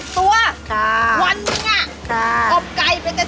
๗๐ตัวค่ะวันนี้น่ะอบไก่เป็น๗๐ตัวโอ้โฮ